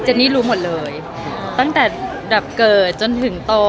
นี่รู้หมดเลยตั้งแต่แบบเกิดจนถึงโต